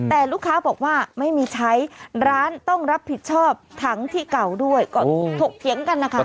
แต่ลูกค้าบอกว่าไม่มีใช้ร้านต้องรับผิดชอบถังที่เก่าด้วยก็ถกเถียงกันนะคะ